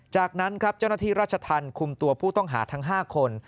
จากนั้นครับเจ้าหน้าที่ราชธรรมคุมตัวผู้ต้องหาทั้ง๕คน